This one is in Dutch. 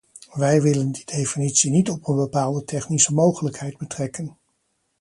Wij willen die definitie niet op een bepaalde technische mogelijkheid betrekken.